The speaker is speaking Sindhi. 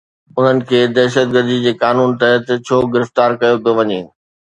انهن کي دهشتگردي جي قانون تحت ڇو گرفتار ڪيو پيو وڃي؟